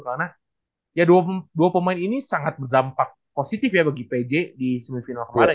karena ya dua pemain ini sangat berdampak positif ya bagi pj di semifinal kemarin